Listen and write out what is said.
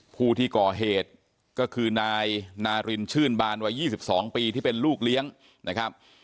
ผู้ที่ก่อเหตุก็คือนายนารินชื่นบานวัย๒๒ปีที่เป็นลูกเลี้ยงนะครับ